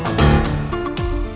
kau buka deket